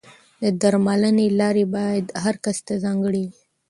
د درملنې لارې باید هر کس ته ځانګړې وي.